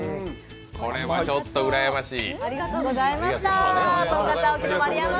これはちょっとうらやましい。